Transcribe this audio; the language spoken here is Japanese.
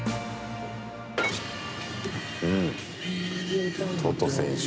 うん、トト選手。